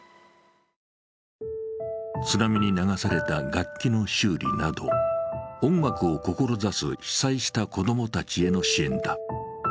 津波に流された楽器の修理など音楽を志す被災した子供たちへの支援だ。